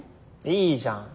いいじゃん。